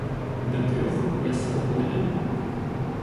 До трех я свободен.